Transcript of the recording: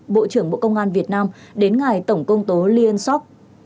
bộ trưởng bộ công an việt nam đến ngài tổng công tố ly ân sóc